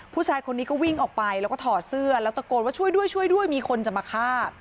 ผู้ชายคนนี้ก็วิ่งออกไปแล้วก็ถอดเสื้อแล้วตะโกนว่าช่วยด้วยช่วยด้วยมีคนจะมาฆ่า